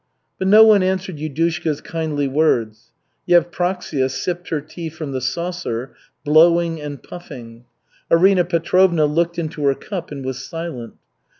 But no one answered Yudushka's kindly words. Yevpraksia sipped her tea from the saucer, blowing and puffing. Arina Petrovna looked into her cup and was silent.